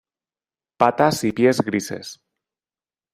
Patas y pies grises.